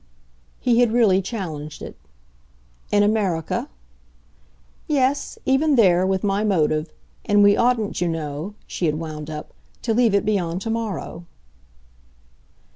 He had really challenged it. "In America?" "Yes, even there with my motive. And we oughtn't, you know," she had wound up, "to leave it beyond to morrow."